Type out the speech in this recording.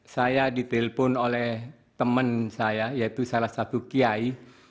saya ditelepon oleh teman saya yaitu salah satu kiai